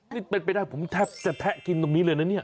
นี่เป็นไปได้ผมแทบจะแทะกินตรงนี้เลยนะเนี่ย